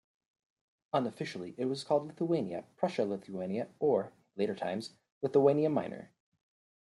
Unofficially it was called Lithuania, Prussian Lithuania, or, in later times, also Lithuania Minor.